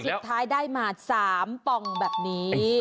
สุดท้ายได้มา๓ปองแบบนี้